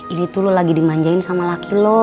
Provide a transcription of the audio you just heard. ini tuh lo lagi dimanjain sama laki loh